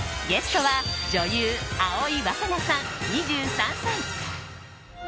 ゲストは女優・葵わかなさん、２３歳。